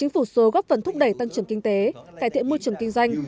phát phần thúc đẩy tăng trưởng kinh tế cải thiện môi trường kinh doanh